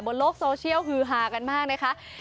โลกโซเชียลฮือฮากันมากนะคะ